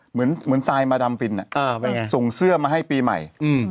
เหมือนทรายมาดำฟินส่งเสื้อมาให้ปีใหม่